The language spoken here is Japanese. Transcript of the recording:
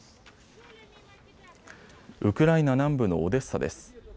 ウクライナ南部のオデッサです。